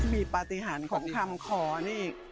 มีปฏิหารของคำขอนี่